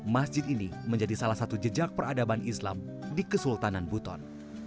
masjid ini menjadi salah satu jejak peradaban islam di kesultanan buton